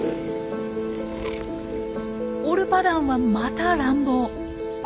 オルパダンはまた乱暴。